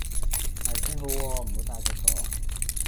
你係先好喎,唔好大隻講